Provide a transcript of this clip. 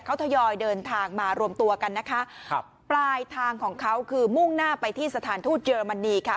เขาทยอยเดินทางมารวมตัวกันนะคะครับปลายทางของเขาคือมุ่งหน้าไปที่สถานทูตเยอรมนีค่ะ